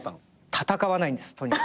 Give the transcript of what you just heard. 戦わないんですとにかく。